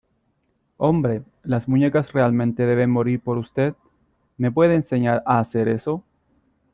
Hombre, las muñecas realmente deben morir por usted. ¿ Me puede enseñar a hacer eso? .